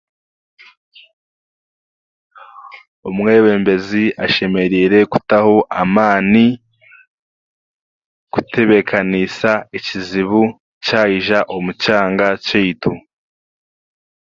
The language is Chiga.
Omwebembezi ashemereire kutaho amaani kutebekaniisa ekizibu kyayija omu kyanga kyeitu.